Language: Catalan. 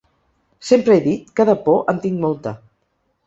Sempre he dit que, de por, en tinc molta!